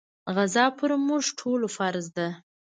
غزا پر موږ ټولو فرض ده.